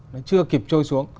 nó chưa kịp trôi xuống